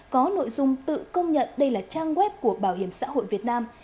có nội dung tự công nhận đây là trang web của bảo hiểm xã hội việt nam